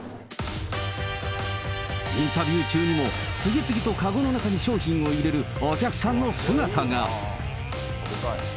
インタビュー中にも、次々とかごの中に商品を入れるお客さんの姿が。